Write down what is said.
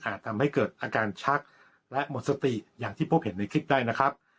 ทำให้เกิดอาการชักและหมดสติอย่างที่พบเห็นในคลิปได้นะครับ